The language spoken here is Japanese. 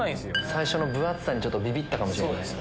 最初の分厚さにちょっとビビったかもしれない。